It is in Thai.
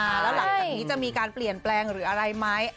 แล้วหลังจากนี้จะมีการเปลี่ยนแปลงหรืออะไรไหม